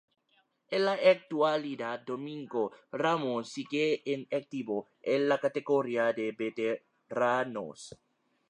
En la actualidad Domingo Ramón sigue en activo, en la categoría de veteranos.